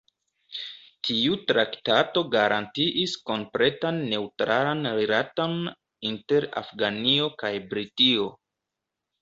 Tiu traktato garantiis kompletan neŭtralan rilaton inter Afganio kaj Britio.